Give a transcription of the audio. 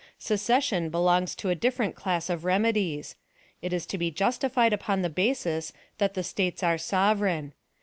"Secession belongs to a different class of remedies. It is to be justified upon the basis that the States are sovereign.